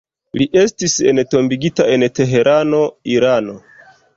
Li estis entombigita en Teherano, Irano.